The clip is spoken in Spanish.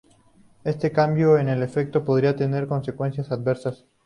Este cambio en el efecto podría tener consecuencias adversas.